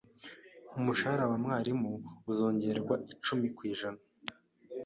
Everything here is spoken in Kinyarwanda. umushahara wa mwalimu uzongerwaho icumi kwijana